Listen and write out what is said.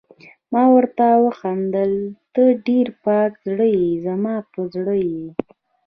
ما ورته وخندل: ته ډېره پاک زړه يې، زما په زړه یې.